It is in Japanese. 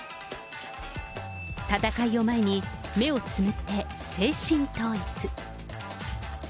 戦いを前に、目をつむって精神統一。